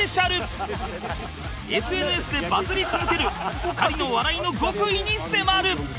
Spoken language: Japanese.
ＳＮＳ でバズり続ける２人の笑いの極意に迫る